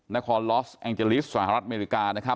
นรลอสแองเจลีสต์สหรัฐเมริกา